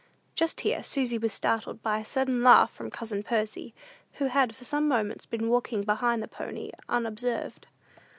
Just here Susy was startled by a sudden laugh from cousin Percy, who had for some moments been walking behind the pony unobserved.